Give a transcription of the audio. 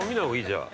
じゃあ。